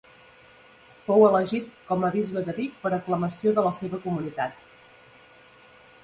Fou elegit com a bisbe de Vic per aclamació de la seva comunitat.